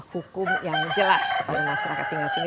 hukum yang jelas kepada masyarakat tinggal sini